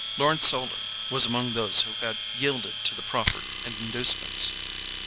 Lawrence Selden was among those who had yielded to the proffered inducements.